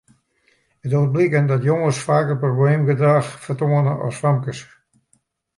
It docht bliken dat jonges faker probleemgedrach fertoane as famkes.